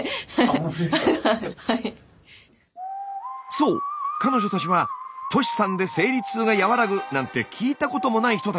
そう彼女たちは「トシさんで生理痛が和らぐ」なんて聞いたこともない人たち。